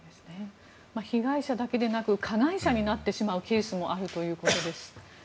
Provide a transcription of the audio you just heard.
被害者だけでなく加害者になってしまうケースもあるということです。